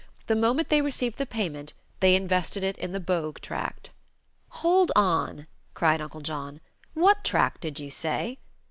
The moment they received the payment they invested it in the Bogue tract " "Hold on!" cried Uncle John. "What tract did you say?"